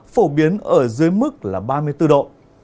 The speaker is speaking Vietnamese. phổ biến ở dưới mức là ba mươi bốn độ